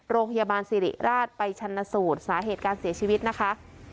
โรงพยาบาลสิริราชไปชันสูตรสาเหตุการเสียชีวิตนะคะ